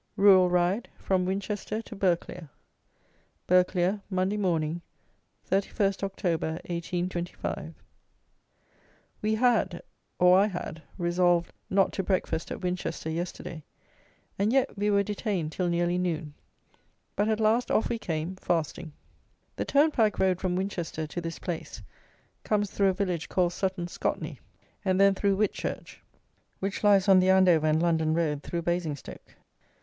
RURAL RIDE: FROM WINCHESTER TO BURGHCLERE. Burghclere, Monday Morning, 31st October 1825. We had, or I had, resolved not to breakfast at Winchester yesterday: and yet we were detained till nearly noon. But at last off we came, fasting. The turnpike road from Winchester to this place comes through a village called Sutton Scotney, and then through Whitchurch, which lies on the Andover and London road, through Basingstoke.